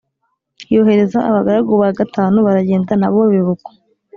yohereza abagaragu ba gatanu. baragenda na bo biba uko.